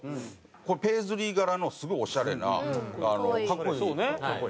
これペイズリー柄のすごいオシャレな格好いい。